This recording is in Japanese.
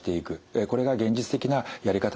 これが現実的なやり方なのかな